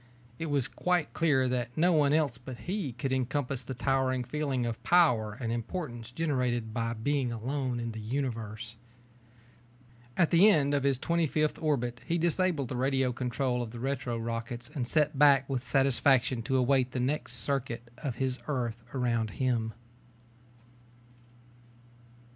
It was quite clear that no one else but he could encompass the towering feeling of power and importance generated by being alone in the Universe. At the end of the twenty fifth orbit he disabled the radio control of the retro rockets and sat back with satisfaction to await the next circuit of his Earth around Him.